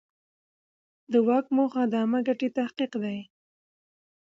د واک موخه د عامه ګټې تحقق دی.